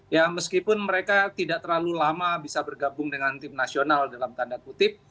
ya meskipun mereka tidak terlalu lama bisa bergabung dengan tim nasional dalam tanda kutip